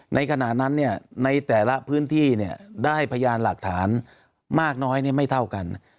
ในขณะนั้นในแต่ละพื้นที่ได้พยานหลักฐานมากน้อยไม่เท่ากัน